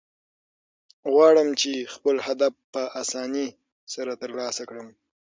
غواړم، چي خپل هدف په آساني سره ترلاسه کړم.